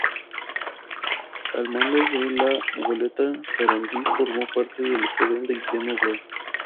Al mando de la goleta "Sarandí" formó parte de la escuadra de Guillermo Brown.